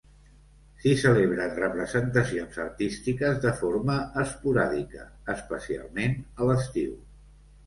S'hi celebren representacions artístiques de forma esporàdica, especialment a l'estiu.